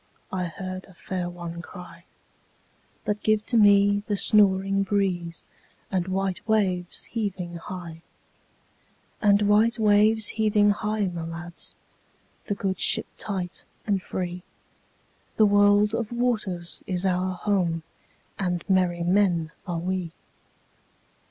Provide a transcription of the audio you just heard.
I heard a fair one cry:But give to me the snoring breezeAnd white waves heaving high; And white waves heaving high, my lads, The good ship tight and free—The world of waters is our home, And merry men are we.